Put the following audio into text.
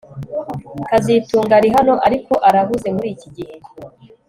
kazitunga arihano ariko arahuze muriki gihe